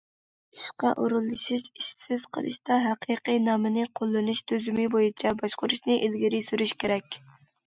ئىشقا ئورۇنلىشىش، ئىشسىز قىلىشتا ھەقىقىي نامىنى قوللىنىش تۈزۈمى بويىچە باشقۇرۇشنى ئىلگىرى سۈرۈش كېرەك.